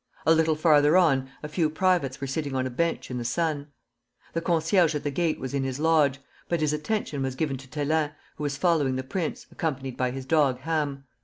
A little farther on, a few privates were sitting on a bench in the sun. The concierge at the gate was in his lodge, but his attention was given to Thélin, who was following the prince, accompanied by his dog Ham.